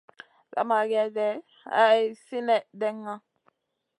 Zamagé day hay sinèh ɗenŋa.